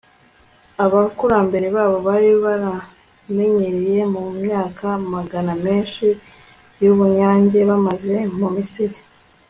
abakurambere babo bari baramenyereye mu myaka amagana menshi yubunyage bamaze mu Misiri